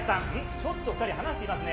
ちょっと２人話していますね。